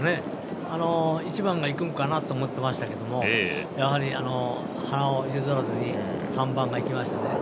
１番がいくんかなと思ってましたけどハナを譲らずにいきましたね。